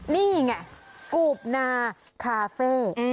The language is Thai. นี่ไงกูบนาคาเฟ่